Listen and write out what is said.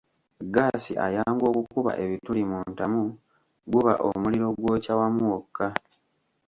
Ggaasi ayanguwa okukuba ebituli mu ntamu guba omuliro gwokya wamu wokka.